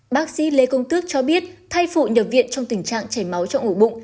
bác sĩ lê công tước cho biết thai phụ nhập viện trong tình trạng chảy máu trong ổ bụng